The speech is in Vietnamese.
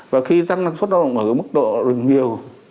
và khi tăng năng suất lao động ở cái mức độ đừng nhiều